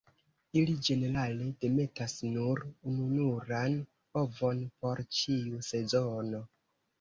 Ili ĝenerale demetas nur ununuran ovon por ĉiu sezono.